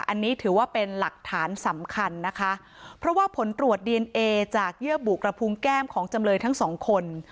อันนี้ถือว่าเป็นหลักฐานสำคัญนะคะเพราะว่าผลตรวจดีเอนเอจากเยื่อบุกระพุงแก้มของจำเลยทั้งสองคน